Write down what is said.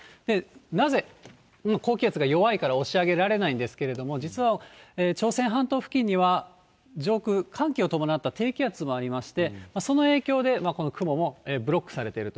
なぜ、この高気圧が弱いから押し上げられないんですけれども、実は、朝鮮半島付近には上空、寒気を伴った低気圧もありまして、その影響で、この雲もブロックされていると。